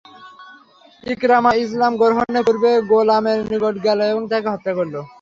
ইকরামা ইসলাম গ্রহণের পূর্বেই গোলামের নিকট গেল এবং তাকে হত্যা করল।